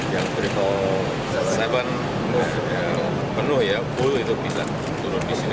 yang apa yang tiga ratus tujuh yang penuh ya full itu bisa turun di sini